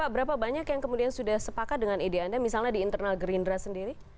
berapa banyak yang kemudian sudah sepakat dengan ide anda misalnya di internal gerindra sendiri